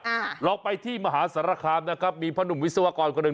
อ่าเราไปที่มหาสารคามนะครับมีพนุมวิศวกรกว่านึง